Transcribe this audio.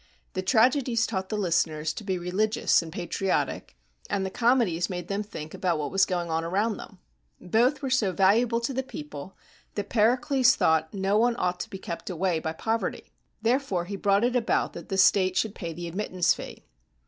The tragedies taught the listeners to be religious and patriotic, and the comedies made them think about what was going on around them. Both were, so valuable to the people that Pericles thought no one ought to be kept away by poverty. Therefore he brought it about that the state should pay the admittance fee.